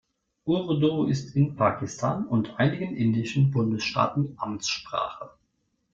Urdu ist in Pakistan und einigen indischen Bundesstaaten Amtssprache.